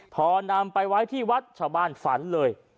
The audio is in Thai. พอนำไปไว้ที่วัดชาวบ้านฝันเลย